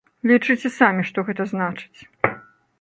Лічыце самі, што гэта значыць!